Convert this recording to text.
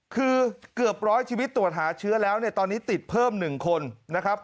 คือเกือบร้อยชีวิตตรวจหาเชื้อแล้วเนี่ยตอนนี้ติดเพิ่ม๑คนนะครับ